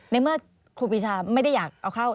ในเมื่อครูปีชาไม่ได้อยากเอาเข้า